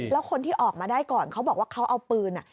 แล้วคนที่ออกมาได้ก่อนเขาบอกว่าเขาเอาปืน